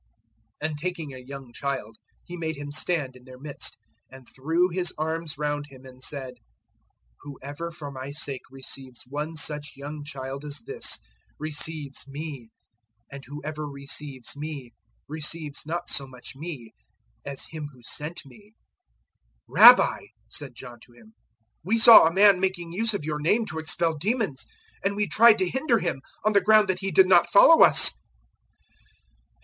009:036 And taking a young child He made him stand in their midst, then threw His arms round him and said, 009:037 "Whoever for my sake receives one such young child as this, receives me; and whoever receives me, receives not so much me as Him who sent me." 009:038 "Rabbi," said John to Him, "we saw a man making use of your name to expel demons, and we tried to hinder him, on the ground that he did not follow us."